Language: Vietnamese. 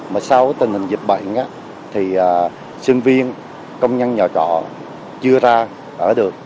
mà sau tình hình dịch bệnh thì sinh viên công nhân nhà trọ chưa ra ở được